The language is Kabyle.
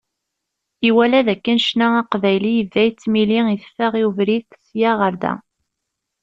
Iwala d akken ccna aqbayli yebda yettmili iteffeɣ i ubrid, sya ɣer da.